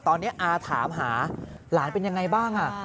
ตอนนี้อาถามหาหลานเป็นยังไงบ้าง